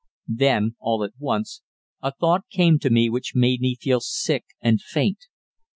Then, all at once, a thought came to me which made me feel sick and faint.